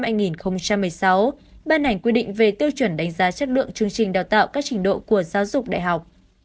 thông tư số bốn hai nghìn một mươi sáu ban hành quy định về tiêu chuẩn đánh giá chất lượng chương trình đào tạo các trình độ của giáo dục đại học